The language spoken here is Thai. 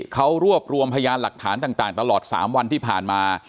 เขารวบรวมพยานหลักฐานต่างตลอด๓วันที่ผ่านมา